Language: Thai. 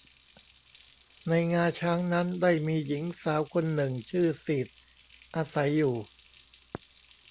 ในงาช้างนั้นได้มีหญิงสาวคนหนึ่งชื่อสีดอาศัยอยู่